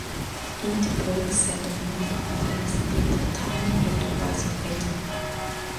Each book set, more or less, in the time it was written.